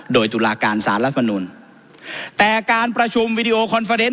โดยตุลาการสารรัฐมนุนแต่การประชุมวิดีโอคอนเฟอร์เน็